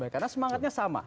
karena semangatnya sama